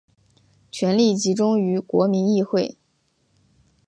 权力集中于国民议会。